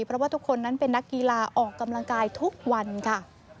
เพราะว่าทุกคนนั้นเป็นนักกีฬาออกกำลังกายทุกวันค่ะ